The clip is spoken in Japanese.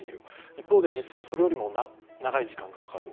一方で、実際はそれよりも長い時間がかかる。